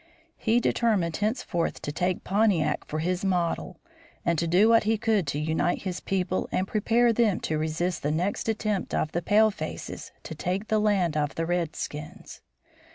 He determined henceforth to take Pontiac for his model and to do what he could to unite his people and prepare them to resist the next attempt of the palefaces to take the land of the redskins.